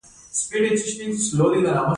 د الرجي سبب د بدن زیات غبرګون دی.